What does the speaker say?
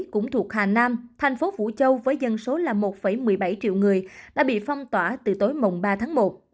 cũng thuộc hà nam thành phố vũ châu với dân số là một một mươi bảy triệu người đã bị phong tỏa từ tối mồng ba tháng một